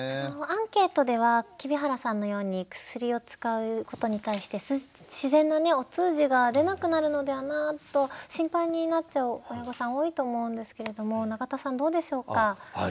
アンケートでは黍原さんのように薬を使うことに対して自然なねお通じが出なくなるのではと心配になっちゃう親御さん多いと思うんですけれども永田さんどうでしょうか？